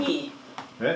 えっ？